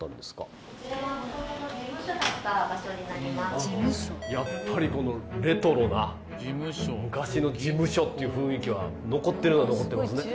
こちらはやっぱりこのレトロな昔の事務所っていう雰囲気は残ってるのは残ってますね。